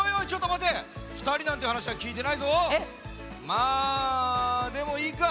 まあでもいいか。